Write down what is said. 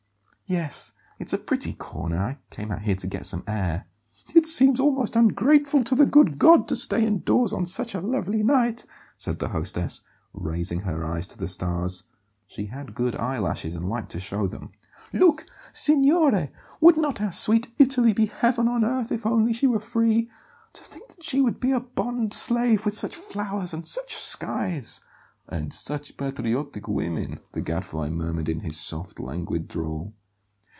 "Yes; it's a pretty corner. I came out here to get some air." "It seems almost ungrateful to the good God to stay indoors on such a lovely night," said the hostess, raising her eyes to the stars. (She had good eyelashes and liked to show them.) "Look, signore! Would not our sweet Italy be heaven on earth if only she were free? To think that she should be a bond slave, with such flowers and such skies!" "And such patriotic women!" the Gadfly murmured in his soft, languid drawl.